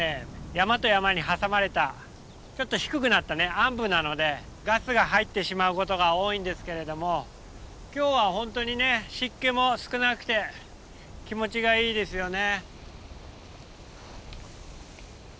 山と山に挟まれたちょっと低くなったあん部なのでガスが入ってしまうことが多いんですけれども今日は本当に湿気も少なくて気持ちがいいですよね。